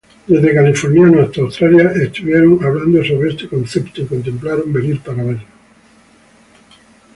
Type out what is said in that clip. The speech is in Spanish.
Desde californianos hasta Australia estuvieron hablando sobre este concepto y contemplaron venir para verlo.